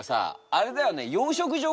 あれだよね